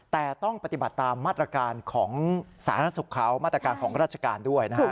แต่ต้องปฏิบัติตามมาตรการของสาธารณสุขเขามาตรการของราชการด้วยนะฮะ